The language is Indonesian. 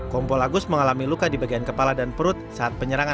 kompol agus mengalami luka di bagian kepala dan perut saat penyerangan